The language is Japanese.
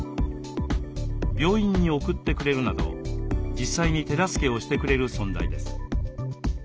病院に送ってくれるなど実際に手助けをしてくれる存在です。